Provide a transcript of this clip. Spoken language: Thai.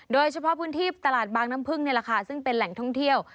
โดยเฉพาะพื้นที่ตลาดบางน้ำพึ่งนี่แหละค่ะซึ่งเป็นแหล่งท่องเที่ยว